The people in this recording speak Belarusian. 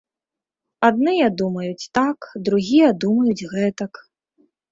Адныя думаюць так, другія думаюць гэтак.